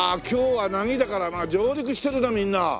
今日はなぎだからな上陸してるなみんな。